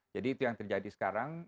jadi itu yang terjadi sekarang